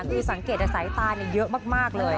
คือสังเกตสายตาเยอะมากเลย